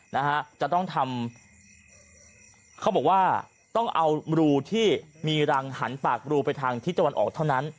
นะฮะจะต้องทำเขาบอกว่าต้องเอารูที่มีรังหันปากรูไปทางทิศตะวันออกเท่านั้น